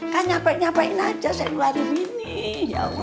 kan nyapain nyapain aja saya ngeluarin gini